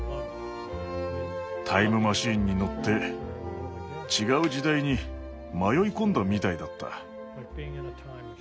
タイムマシンに乗って違う時代に迷い込んだみたいだった。